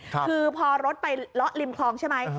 คือพอรถไปล้อริมคลองใช่มั้ย